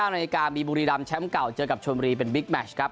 นาฬิกามีบุรีรำแชมป์เก่าเจอกับชนบุรีเป็นบิ๊กแมชครับ